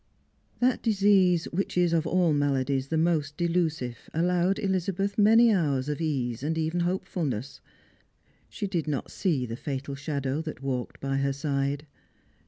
That disease, which is of all maladies the most delusive, allowed Elizabeth many hoars of ease and even hopetulncss. She did not see the fatal shadow that walked by her side.